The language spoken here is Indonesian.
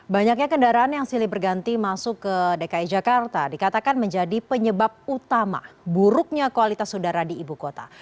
banyaknya kendaraan yang silih berganti masuk ke dki jakarta dikatakan menjadi penyebab utama buruknya kualitas udara di ibu kota